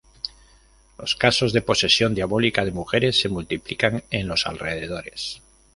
Los casos de posesión diabólica de mujeres se multiplican en los alrededores.